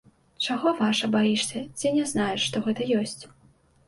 Чаго, ваша, баішся, ці не знаеш, што гэта ёсць?